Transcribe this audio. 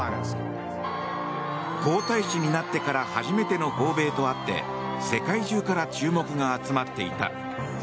皇太子になってから初めての訪米とあって世界中から注目が集まっていた。